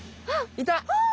いた！